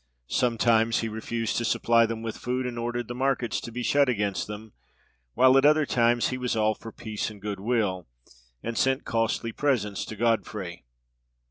Sometimes he refused to supply them with food, and ordered the markets to be shut against them, while at other times he was all for peace and good will, and sent costly presents to Godfrey.